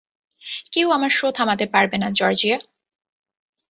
কেউ আমার শো থামাতে পারবেনা, জর্জিয়া।